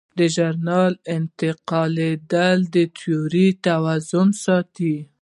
دا ژورنال د انتقادي تیورۍ توازن ساتي.